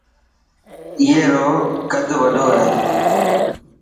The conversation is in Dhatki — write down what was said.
اي رو قد وڏو هي.